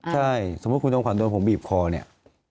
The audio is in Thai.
ใช่สมมุติคุณจอมขวัญโดนผมบีบคอเนี่ย